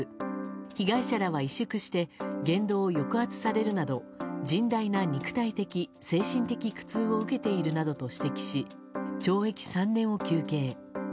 被害者らは委縮して言動を抑圧されるなど甚大な肉体的・精神的苦痛を受けているなどして懲役３年を求刑。